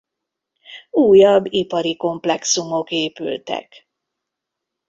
Újabb ipari komplexumok épültek.